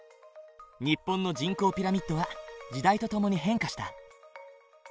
日本の人口ピラミッドは時代とともに変化した。